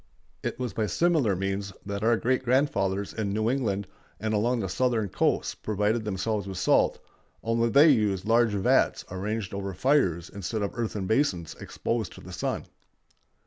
It was by similar means that our great grandfathers in New England and along the Southern coasts provided themselves with salt, only they used large vats arranged over fires instead of earthen basins exposed to the sun.